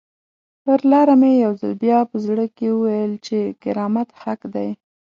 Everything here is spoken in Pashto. پر لاره مې یو ځل بیا په زړه کې وویل چې کرامت حق دی.